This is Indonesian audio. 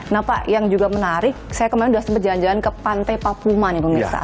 nah pak yang juga menarik saya kemarin sudah sempat jalan jalan ke pantai papuman nih pemirsa